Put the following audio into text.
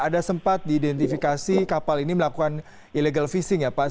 ada sempat diidentifikasi kapal ini melakukan illegal fishing ya pak